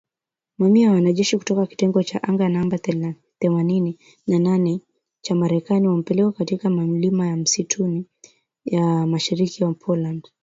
Mamia ya wanajeshi kutoka kitengo cha anga namba themanini na nane cha Marekani wamepelekwa katika milima ya msituni ya mashariki mwa Poland